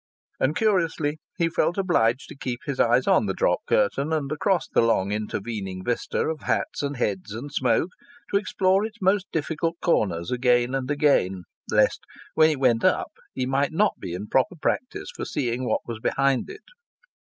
And, curiously, he felt obliged to keep his eyes on the drop curtain and across the long intervening vista of hats and heads and smoke to explore its most difficult corners again and again, lest when it went up he might not be in proper practice for seeing what was behind it.